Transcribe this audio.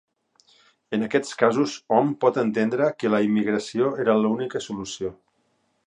En aquests casos hom pot entendre que la immigració era l'única solució.